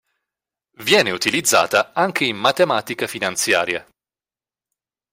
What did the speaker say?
Viene utilizzata anche in matematica finanziaria.